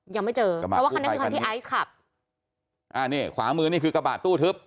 ยังไม่เจอเพราะว่าคันนั้นคือคันที่ไอซ์ขับอ่านี่ขวามือนี่คือกระบะตู้ทึบ